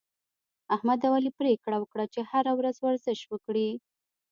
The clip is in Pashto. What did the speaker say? احمد او علي پرېکړه وکړه، چې هره ورځ ورزش وکړي